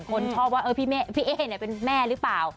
คนชอบว่าพี่เอ๊เป็นแม่หรือเปล่า